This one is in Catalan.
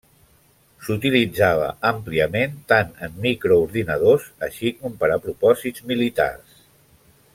S'utilitzava àmpliament tant en microordinadors així com per a propòsits militars.